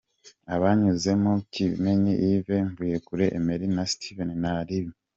Abanyezamu: Kimenyi Yves, Mvuyekure Emery na Steven Ntaribi.